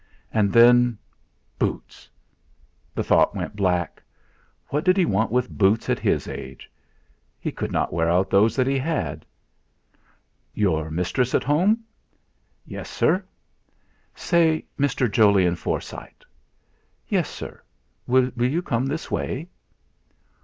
And then Boots! The thought was black. What did he want with boots at his age? He could not wear out all those he had. "Your mistress at home?" "Yes, sir." "Say Mr. Jolyon Forsyte." "Yes, sir, will you come this way?"